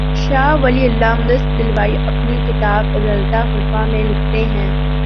شاہ ولی اللہ محدث دہلوی اپنی کتاب ”ازالتہ الخفا ء“ میں لکھتے ہیں